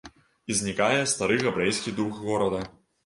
І знікае стары габрэйскі дух горада.